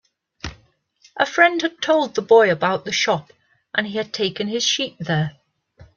A friend had told the boy about the shop, and he had taken his sheep there.